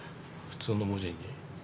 普通の文字に。